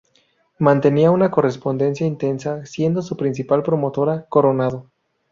Mantenían una correspondencia intensa siendo su principal promotora Coronado.